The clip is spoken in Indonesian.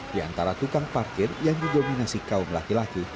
di antara tukang parkir yang didominasi kaum laki laki